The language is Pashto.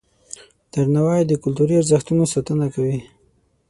درناوی د کلتوري ارزښتونو ساتنه کوي.